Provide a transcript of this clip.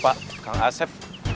pak kang asep